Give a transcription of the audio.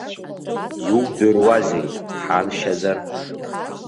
Иудыруазеи дҳаншьазар.